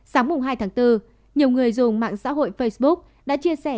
sáng hai tháng bốn nhiều người dùng mạng xã hội facebook đã chia sẻ